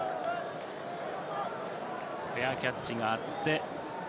フェアキャッチがあって。